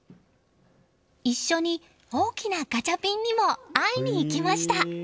一緒に大きなガチャピンにも会いに行きました！